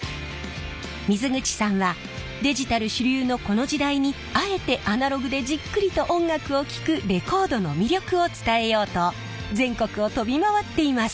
水口さんはデジタル主流のこの時代にあえてアナログでじっくりと音楽を聴くレコードの魅力を伝えようと全国を飛び回っています。